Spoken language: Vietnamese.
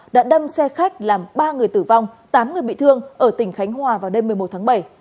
đã đâm xe khách làm ba người tử vong tám người bị thương ở tỉnh khánh hòa vào đêm một mươi một tháng bảy